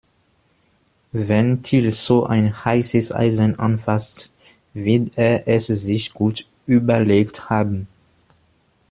Wenn Thiel so ein heißes Eisen anfasst, wird er es sich gut überlegt haben.